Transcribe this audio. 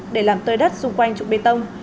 để làm tơi đất xung quanh trụ bê tông